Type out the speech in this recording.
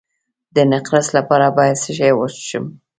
د نقرس لپاره باید څه شی وڅښم؟